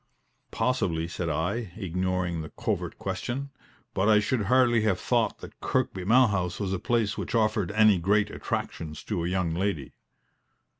"Possibly," said I, ignoring the covert question; "but I should hardly have thought that Kirkby Malhouse was a place which offered any great attractions to a young lady."